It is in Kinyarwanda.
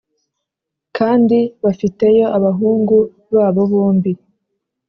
Kandi bafiteyo abahungu babo bombi